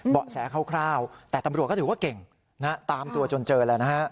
เบาะแสคร่าวแต่ตำรวจก็ถือว่าเก่งตามตัวจนเจอแล้วนะฮะ